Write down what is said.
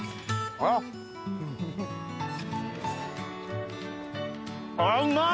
あうまい！